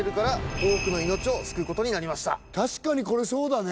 確かにこれそうだね。